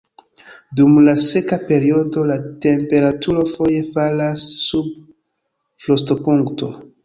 Dum la seka periodo la temperaturo foje falas sub frostopunkto.